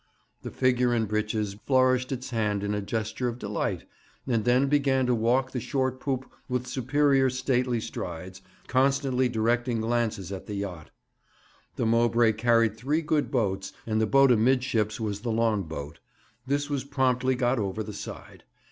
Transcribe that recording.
The figure in breeches flourished its hand in a gesture of delight, and then began to walk the short poop with superior stately strides, constantly directing glances at the yacht. The Mowbray carried three good boats, and the boat amidships was the long boat; this was promptly got over the side.